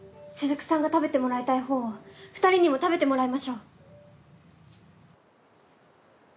雫さんが食べてもらいたい方を二人にも食べてもらいましょう。